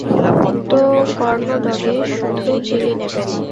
তো, কর্ণ ডগে শুধু চিলি নেবেন?